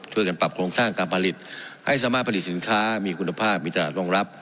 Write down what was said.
ช่วยกันปรับโครงสร้างการผลิตให้สามารถผลิตสินค้ามีคุณภาพมีตลาดรองรับ